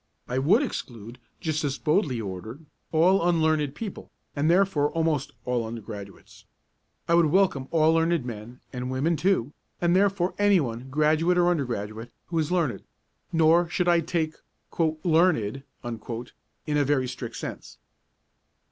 I would exclude (just as Bodley ordered) all unlearned people, and therefore almost all undergraduates; I would welcome all learned men (and women too), and therefore any one, graduate or undergraduate, who is learned; nor should I take 'learned' in a very strict sense.